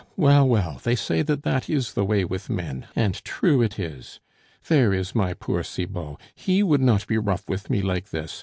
well, well, they say that that is the way with men and true it is! There is my poor Cibot, he would not be rough with me like this....